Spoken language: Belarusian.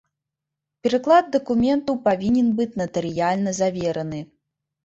Пераклад дакументаў павінен быць натарыяльна завераны.